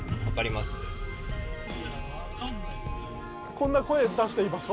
こんな声出していい場所？